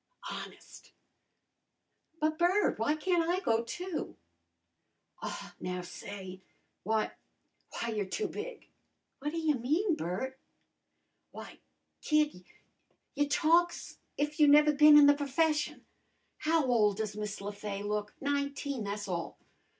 "Honest!" "But, Bert, w'y can't I go, too?" "Aw, now, say w'y w'y, you're too big!" "What ta y' mean, Bert?" "W'y, kid, you talk's if you never bin in the p'fession. How ole does Miss Le Fay look? Nineteen, tha's all.